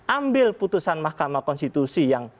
ambil putusan mahkamah konstitusi yang